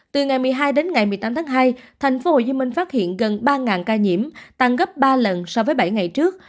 từ ngày một mươi hai đến ngày một mươi tám tháng hai tp hcm phát hiện gần ba ca nhiễm tăng gấp ba lần so với bảy ngày trước